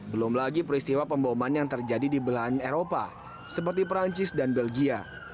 belum lagi peristiwa pemboman yang terjadi di belahan eropa seperti perancis dan belgia